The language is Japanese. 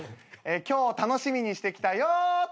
今日楽しみにしてきたよって人。